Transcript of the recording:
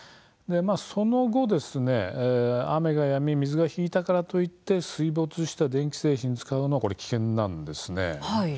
その後、雨がやんで水が引いたからといって水没した電気製品を使うのは危険なんです。